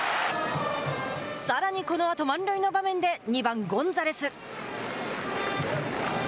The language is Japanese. さらに、このあと満塁の場面で２番ゴンザレス。